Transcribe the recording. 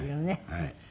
はい。